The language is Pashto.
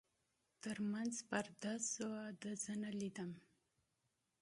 تر منځ پرده شول، ده زه نه لیدم.